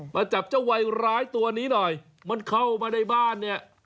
มาจับเจ้าวัยร้ายตัวนี้หน่อยมันเข้ามาในบ้านเนี่ย